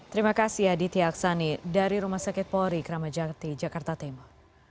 terima kasih aditya aksani dari rumah sakit polri kramajati jakarta timur